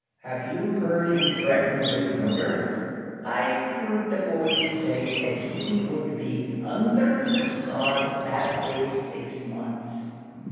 "Have you heard him threatened with murder?" "I've heard the boys say that he would be undher the sod that day six months."